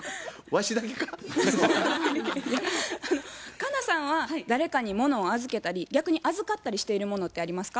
佳奈さんは誰かにものを預けたり逆に預かったりしているものってありますか？